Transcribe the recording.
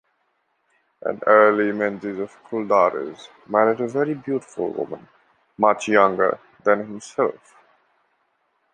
An early Menzies of Culdares married a very beautiful woman much younger than himself.